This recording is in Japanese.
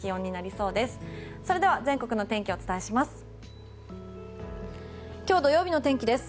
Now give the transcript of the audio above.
それでは全国の天気をお伝えします。